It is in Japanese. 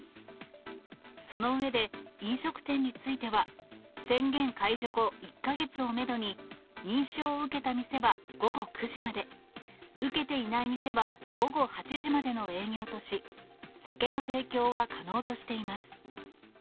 その上で、飲食店については、宣言解除後１か月をメドに、認証を受けた店は午後９時まで、受けていない店は午後８時までの営業とし、酒の提供は可能としています。